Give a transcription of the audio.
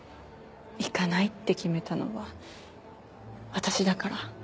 行かないって決めたのは私だから。